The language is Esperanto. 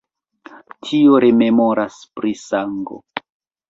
Tio rememoras pri sango.